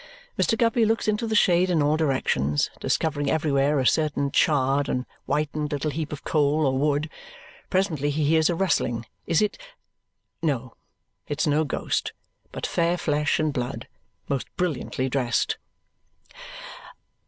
Mr. Guppy looks into the shade in all directions, discovering everywhere a certain charred and whitened little heap of coal or wood. Presently he hears a rustling. Is it ? No, it's no ghost, but fair flesh and blood, most brilliantly dressed.